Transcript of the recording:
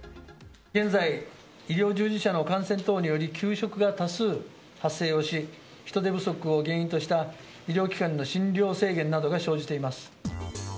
現在、医療従事者の感染等により、休職が多数発生をし、人手不足を原因とした医療機関の診療制限などが生じています。